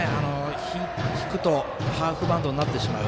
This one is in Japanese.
引くとハーフバウンドになってしまう。